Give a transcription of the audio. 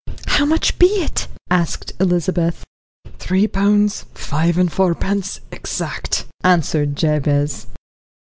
"How much be it?" asked Elizabeth. "Three pound five and fourpence, exact," answered Jabez.